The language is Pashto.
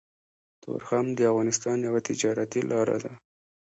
تورخم د افغانستان يوه تجارتي لاره ده